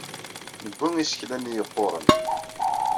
Nebbi isekla-nni yeqquren.